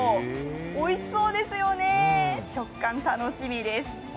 おいしそうですよね、食感楽しみです。